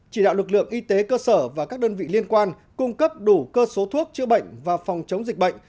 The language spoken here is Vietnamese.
chỉ đạo lực lượng y tế cơ sở và các đơn vị liên quan cung cấp đủ cơ số thuốc chữa bệnh và phòng chống dịch bệnh